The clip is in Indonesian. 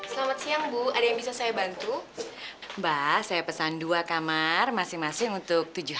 selamat siang bu ada yang bisa saya bantu mbak saya pesan dua kamar masing masing untuk tujuh hari